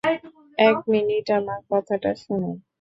এক মিনিট আমার কথাটা শুনুন।